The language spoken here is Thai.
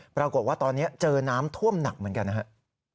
ปรากฏว่าตอนนี้เจอน้ำท่วมหนักเหมือนกันนะครับ